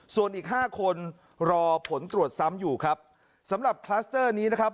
ส่วนอีกห้าคนรอผลตรวจซ้ำอยู่ครับสำหรับคลัสเตอร์นี้นะครับ